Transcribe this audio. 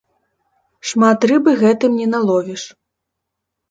Шмат рыбы гэтым не наловіш.